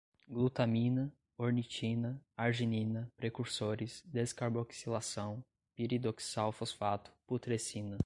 glutamina, ornitina, arginina, precursores, descarboxilação, piridoxal fosfato, putrescina